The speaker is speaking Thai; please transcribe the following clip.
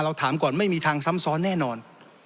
ถามก่อนไม่มีทางซ้ำซ้อนแน่นอน